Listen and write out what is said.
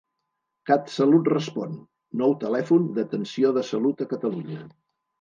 CatSalut Respon, nou telèfon d'atenció de salut a Catalunya.